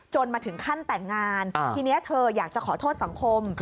มาถึงขั้นแต่งงานทีนี้เธออยากจะขอโทษสังคม